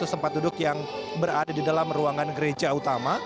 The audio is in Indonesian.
satu tempat duduk yang berada di dalam ruangan gereja utama